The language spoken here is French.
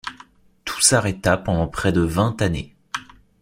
Tout s'arrêta pendant près de vingt années.